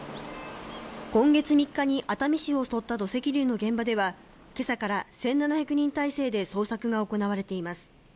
今月３日に熱海市を襲った土石流の現場では、今朝から１７００人態勢で捜索が行われています。